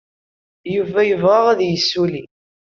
Yuba yebɣa ad yessulli.